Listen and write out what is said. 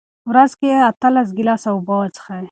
ورځ کې اته ګیلاسه اوبه وڅښئ.